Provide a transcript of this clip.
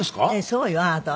そうよあなた。